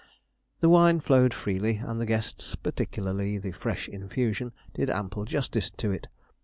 The wine flowed freely, and the guests, particularly the fresh infusion, did ample justice to it.